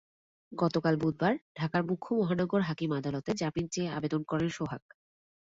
গতকাল বুধবার ঢাকার মুখ্য মহানগর হাকিম আদালতে জামিন চেয়ে আবেদন করেন সোহাগ।